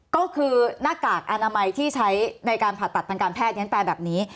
ก็คือหน้ากากอนามัยที่ใช้ในการผ่าตัดทางการแพทย์ฉันแปลแบบนี้